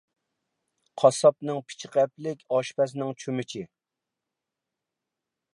قاسساپنىڭ پىچىقى ئەپلىك، ئاشپەزنىڭ چۆمۈچى.